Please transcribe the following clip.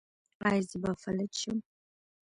ایا زه به فلج شم؟